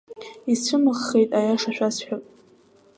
Исцәымыӷхеит, аиаша шәасҳәап.